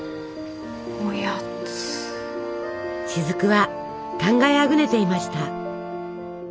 雫は考えあぐねていました。